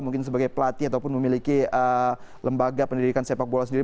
mungkin sebagai pelatih ataupun memiliki lembaga pendidikan sepak bola sendiri